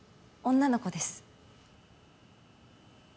女の子です。